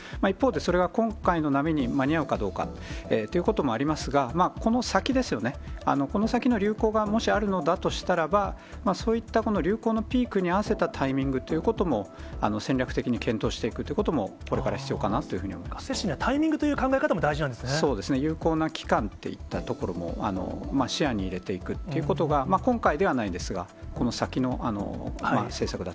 一方で、それは今回の波に間に合うかどうかということもありますが、この先ですよね、この先の流行がもしあるのだとしたらば、そういったこの流行のピークに合わせたタイミングということも、戦略的に検討していくということも、これから必要かなというふう接種にはタイミングという考そうですね、有効な期間といったところも、視野に入れていくということが、今回ではないですが、なるほど。